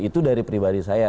itu dari pribadi saya